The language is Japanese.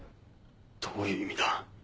どういう意味だ。